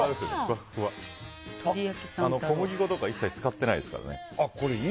小麦粉とか一切使っていないですからね。